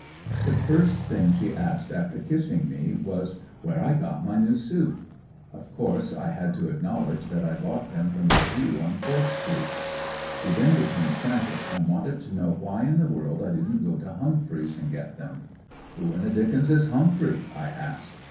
The first thing she asked after kissing me, was, where I got my new suit? Of course I had to acknowledge that I bought them from a Jew on Fourth street. She then became frantic and wanted to know why in the world I didn't go to Humphry's and get them? "Who in the dickens is Humphry?" I asked.